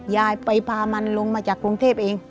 ยายไปพามันลงมาจากกรุงเทพเอง